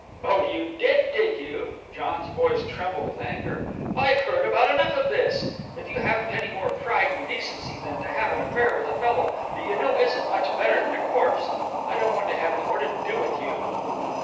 "Oh, you did, did you?" John's voice trembled with anger. "I've heard about enough of this. If you haven't any more pride and decency than to have an affair with a fellow that you know isn't much better than a corpse, I don't want to have any more to with you!"